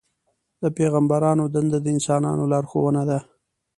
د پیغمبرانو دنده د انسانانو لارښوونه ده.